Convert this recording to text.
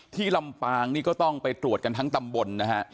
ลำปางนี่ก็ต้องไปตรวจกันทั้งตำบลนะฮะ